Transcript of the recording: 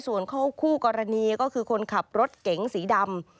ส่วนคู่กรณีก็คือคนขับรถเก๋งสีดำ